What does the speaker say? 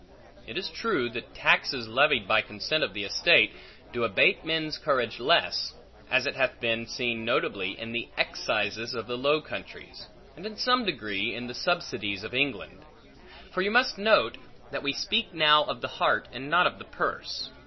It is true that taxes levied by consent of the estate, do abate men's courage less: as it hath been seen notably, in the excises of the Low Countries; and, in some degree, in the subsidies of England. For you must note, that we speak now of the heart, and not of the purse.